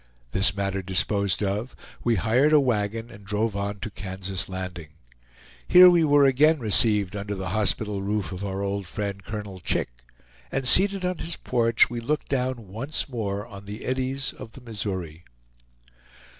This matter disposed of, we hired a wagon and drove on to Kansas Landing. Here we were again received under the hospitable roof of our old friend Colonel Chick, and seated on his porch we looked down once more on the eddies of the Missouri.